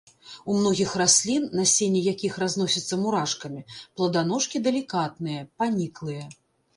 У многіх раслін, насенне якіх разносіцца мурашкамі, пладаножкі далікатныя, паніклыя.